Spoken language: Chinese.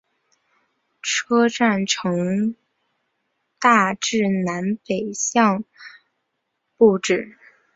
车站呈大致南北向布置。